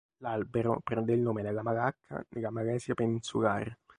L'albero prende il nome dalla Malacca nella Malesia peninsulare.